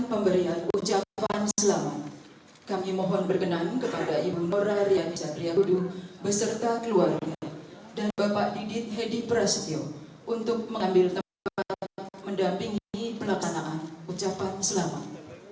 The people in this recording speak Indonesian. pembelian ucapan selamat kepada bapak riam nijat karyakudu beserta keluarga dan bapak didit hedi prasetyo untuk mengambil tempat mendampingi pelaksanaan ucapan selamat